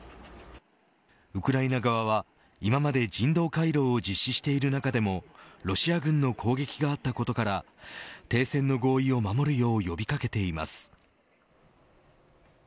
ウクライナ側は、今まで人道回廊を実施している中でもロシア軍の攻撃があったことから停戦の合意を守るよう呼び掛けています。